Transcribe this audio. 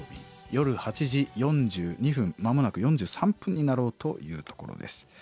夜８時４２分間もなく４３分になろうというところです。